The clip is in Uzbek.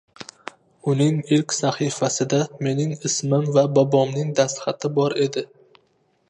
Uning ilk sahifasida menim ismim va bobomning dastxati bor edi: